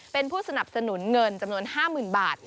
เป็นผู้สนับสนุนเงินจำนวน๕๐๐๐บาท